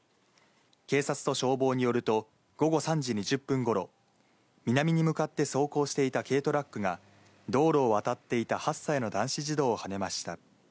警察と消防によると、午後３時２０分ごろ、南に向かって走行していた軽トラックが、道路を渡っていた８歳の男子児童をはねました。